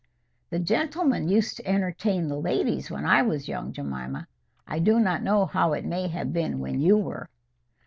"The gentlemen used to entertain the ladies when I was young, Jemima. I do not know how it may have been when you were."